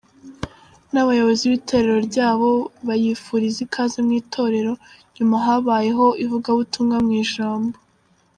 nabayobozi bitorero ryaho bayifuriza ikaze mu itorero, nyuma habayeho ivugabutumwa mu ijambo.